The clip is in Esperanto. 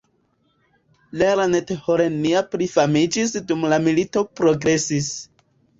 Lernet-Holenia pli famiĝis dum la milito progresis.